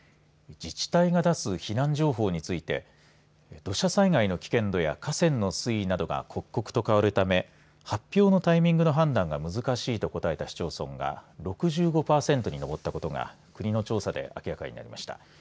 自治体が出す避難情報について土砂災害の危険度や河川の水位などが刻々と変わるため発表のタイミングの判断が難しいと答えた市町村が６５パーセントに上ったことが国の調査で明らかになりました。